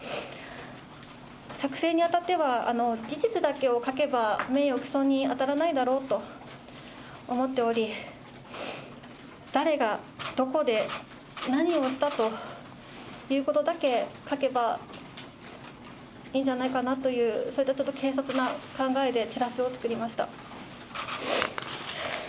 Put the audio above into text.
作成に当たっては、事実だけを書けば、名誉毀損に当たらないだろうと思っており、誰が、どこで、何をしたということだけ書けば、いいんじゃないかなと、そういったちょっと、軽率な考えでチラシを作りました。